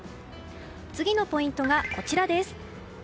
次のポイントがこちらです。